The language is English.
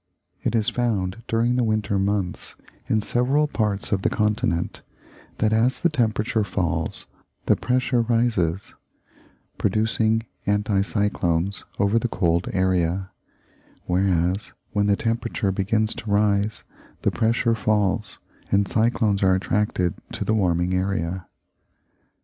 It is found during the winter months in several parts of the Continent that as the temperature falls the pressure rises, producing anti cyclones over the cold area; whereas, when the temperature begins to rise, the pressure falls, and cyclones are attracted to the warming area.